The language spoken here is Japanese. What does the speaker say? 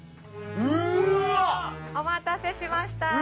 うわ！お待たせしました。